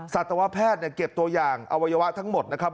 สัตวแพทย์เก็บตัวอย่างอวัยวะทั้งหมดนะครับ